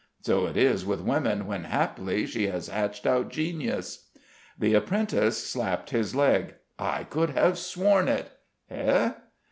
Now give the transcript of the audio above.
So it is with woman when, haply, she has hatched out genius." The apprentice slapped his leg. "I could have sworn it!" "Hey?"